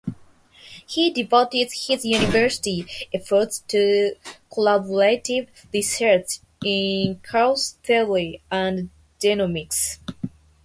He devotes his university efforts to collaborative research in chaos theory and genomics.